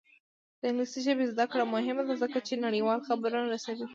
د انګلیسي ژبې زده کړه مهمه ده ځکه چې نړیوال خبرونه رسوي.